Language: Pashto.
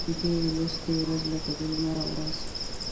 بې لوستلو ورځ لکه بې لمره ورځ